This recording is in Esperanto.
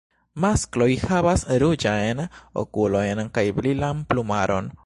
Maskloj havas ruĝajn okulojn kaj brilan plumaron.